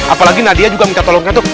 apalagi nadia juga minta tolongnya tuh